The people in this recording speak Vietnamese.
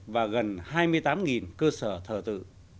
và gần hai mươi tám cơ sở thờ tự